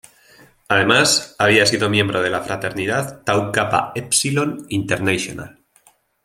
Además, había sido miembro de la Fraternidad Tau Kappa Epsilon International.